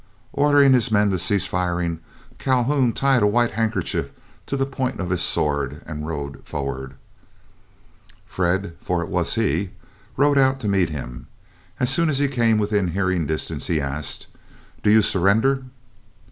Ordering his men to cease firing, Calhoun tied a white handkerchief to the point of his sword, and rode forward. Fred, for it was he, rode out to meet him. As soon as he came within hearing distance, he asked, "Do you surrender?"